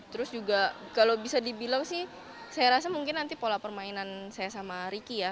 terus juga kalau bisa dibilang sih saya rasa mungkin nanti pola permainan saya sama ricky ya